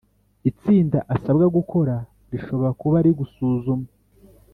itsinda asabwa gukora rishobora kuba rigusuzuma